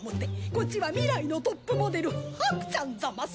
こっちは未来のトップモデルハクちゃんザマス。